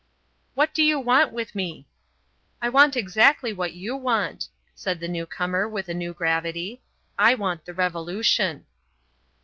"What do you want with me?" "I want exactly what you want," said the new comer with a new gravity. "I want the Revolution."